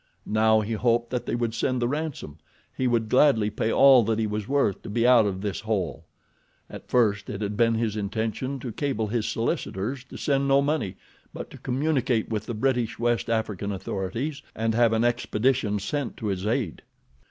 Now he hoped that they would send the ransom—he would gladly pay all that he was worth to be out of this hole. At first it had been his intention to cable his solicitors to send no money but to communicate with the British West African authorities and have an expedition sent to his aid.